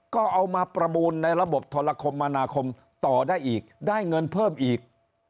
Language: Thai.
ก็เอามาประมูลในระบบโทรคมมนาคมต่อได้อีกได้เงินเพิ่มอีก